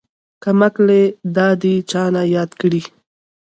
کمقلې دادې چانه ياد کړي.